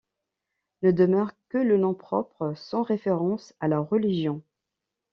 Ne demeure que le nom propre sans référence à la religion.